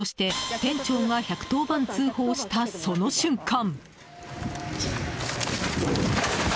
そして、店長が１１０番通報した、その瞬間。